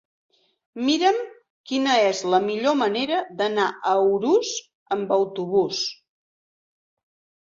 Mira'm quina és la millor manera d'anar a Urús amb autobús.